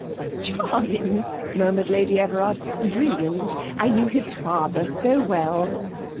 'Charming,' murmured Lady Everard; 'brilliant I know his father so well.'